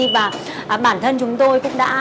và bản thân chúng tôi cũng đã